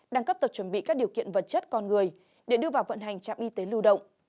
đang cấp tập chuẩn bị các điều kiện vật chất con người để đưa vào vận hành trạm y tế lưu động